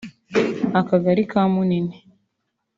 akagari ka Munini